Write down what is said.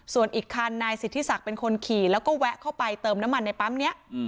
ส่วนอีกคันนายสิทธิศักดิ์เป็นคนขี่แล้วก็แวะเข้าไปเติมน้ำมันในปั๊มนี้